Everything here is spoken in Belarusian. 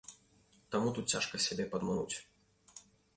Таму тут цяжка сябе падмануць.